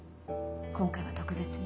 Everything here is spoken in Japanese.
今回は特別に。